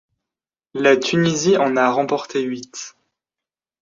La Tunisie en a remporté huit.